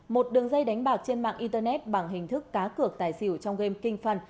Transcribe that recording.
một đường dây đánh bạc trên mạng internet bằng hình thức cá cược tài xỉu trong game king fun